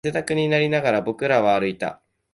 汗だくになりながら、僕らは歩いた